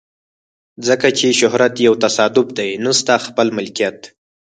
ځکه چې شهرت یو تصادف دی نه ستا خپله ملکیت.